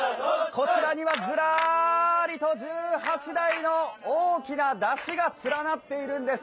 こちらにはずらーりと１８台の大きな山車が連なっているんです。